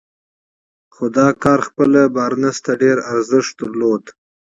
خو دا کار خپله بارنس ته ډېر ارزښت درلود.